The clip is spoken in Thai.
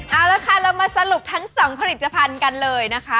เอาละค่ะเรามาสรุปทั้ง๒ผลิตภัณฑ์กันเลยนะคะ